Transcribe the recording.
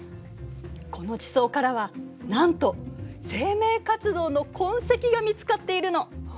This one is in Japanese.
この地層からはなんと生命活動の痕跡が見つかっているの。